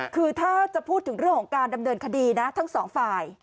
คือถ้าจะพูดถึงเรื่องของการดำเนินคดีนะทั้งสองฝ่าย